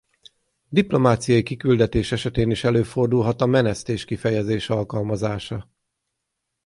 Diplomáciai kiküldetés esetén is előfordulhat a menesztés kifejezés alkalmazása.